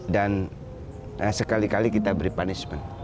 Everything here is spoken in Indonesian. dan sekali kali kita beri punishment